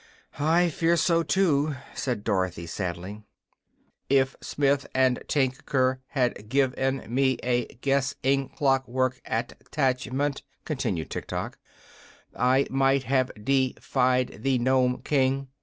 "I fear so, too," said Dorothy, sadly. "If Smith & Tin ker had giv en me a guess ing clock work at tach ment," continued Tiktok, "I might have de fied the Nome King.